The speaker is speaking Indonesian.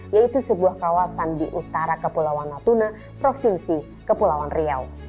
yaitu sebuah kawasan di utara kepulauan natuna provinsi kepulauan riau